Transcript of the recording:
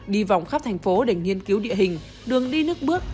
đi vòng khắp thành phố để nghiên cứu địa hình đường đi nước bước